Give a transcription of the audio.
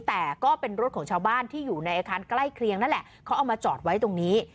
แต่ก็เป็นรถของชาวบ้านที่อยู่ในอาคารใกล้เคียงนั่นแหละเขาเอามาจอดไว้ตรงนี้